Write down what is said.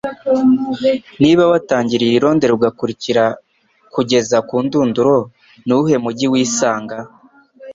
Niba Watangiriye i Londres ugakurikira kugeza ku ndunduro, Nuwuhe mujyi Wisanga?